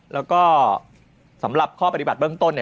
แล้วก็สำหรับข้อปฏิบัติเบื้องต้น